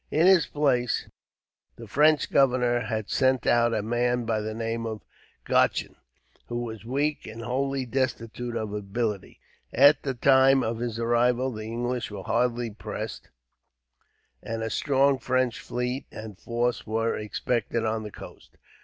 In his place, the French governor had sent out a man by the name of Godchen, who was weak and wholly destitute of ability. At the time of his arrival the English were hardly pressed, and a strong French fleet and force were expected on the coast.